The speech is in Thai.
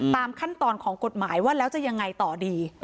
ตามขั้นตอนของกฎหมายว่าแล้วจะยังไงต่อดี